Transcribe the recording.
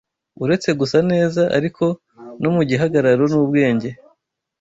Uretse gusa neza, ariko no mu gihagararo n’ubwenge